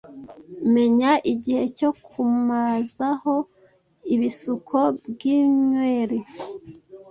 Menya igihe cyo kumazaho ibisuko bw’inyweri